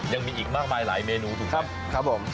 ยังมีอีกมากมายเมนูถูกไหมครับครับครับผม